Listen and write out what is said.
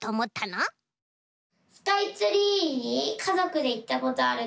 スカイツリーにかぞくでいったことあるから。